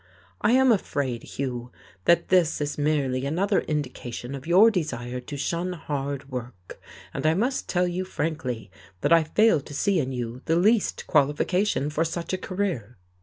I am afraid, Hugh, that this is merely another indication of your desire to shun hard work, and I must tell you frankly that I fail to see in you the least qualification for such a career.